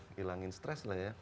ngilangin stress lah ya